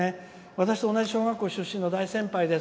「私と同じ小学校出身の大先輩です。